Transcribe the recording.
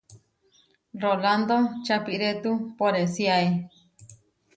Rolando čapirétu poresíae.